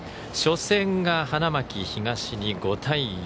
初戦が花巻東に５対４。